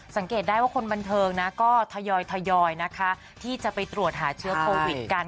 สังเกตได้ว่าคนบันเทิงนะก็ทยอยนะคะที่จะไปตรวจหาเชื้อโควิดกัน